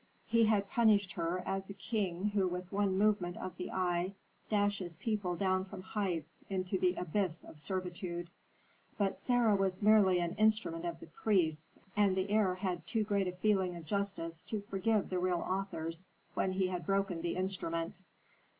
He had punished her as a king who with one movement of the eye dashes people down from heights into the abyss of servitude. But Sarah was merely an instrument of the priests, and the heir had too great a feeling of justice to forgive the real authors when he had broken the instrument.